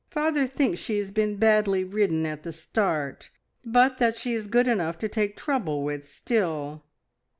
Father thinks she has been badly ridden at the start, but that she is good enough to take trouble with still."